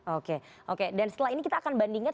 oke oke dan setelah ini kita akan bandingkan